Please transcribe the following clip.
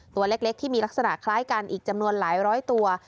ตัวเล็กที่มีลักษณะคล้ายกันอีกจำนวนหลายร้อยตัว